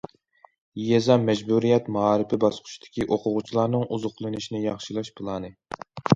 يېزا مەجبۇرىيەت مائارىپى باسقۇچىدىكى ئوقۇغۇچىلارنىڭ ئوزۇقلىنىشىنى ياخشىلاش پىلانى.